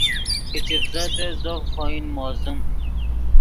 کہ چڤزدیت زو ڤے خوئن موزیم